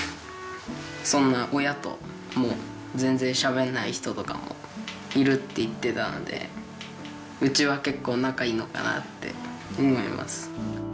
そんな親ともう全然しゃべらない人とかもいるっていってたのでうちは結構仲いいのかなって思います。